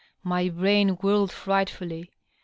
My brain whirled frightfully.